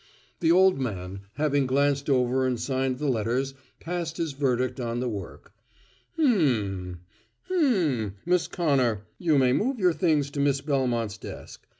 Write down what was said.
The old man, having glanced over and signed the letters, passed his verdict on her work "Hmm, hmm, Miss Connor, you may move your things to Miss Belmont's desk.